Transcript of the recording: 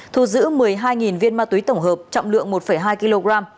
thu giữ một mươi hai viên ma túy tổng hợp trọng lượng một hai kg